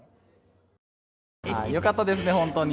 よかったですね、本当に。